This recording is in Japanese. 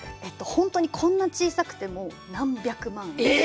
本当にこんな小さくても何百万です。